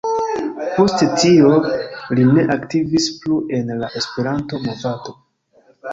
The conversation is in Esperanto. Poste tio, li ne aktivis plu en la Esperanto-movado.